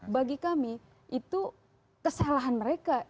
bagi kami itu kesalahan mereka